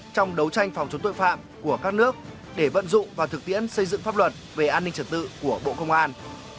trong đấu tranh phòng chống tội phạm của các nước để vận dụng và thực tiễn xây dựng pháp luật về an ninh trật tự của bộ công an